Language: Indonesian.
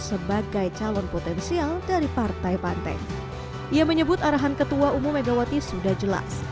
sebagai calon potensial dari partai pantai ia menyebut arahan ketua umum megawati sudah jelas